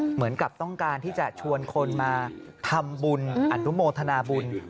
เหมือนกับต้องการที่จะชวนคนมาทำบุญอนุโมทนาบุญ